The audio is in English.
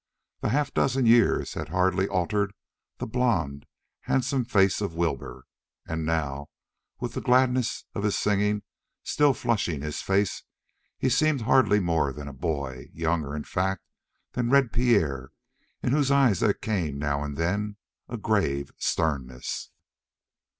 The half dozen years had hardly altered the blond, handsome face of Wilbur, and now, with the gladness of his singing still flushing his face, he seemed hardly more than a boy younger, in fact, than Red Pierre, into whose eyes there came now and then a grave sternness.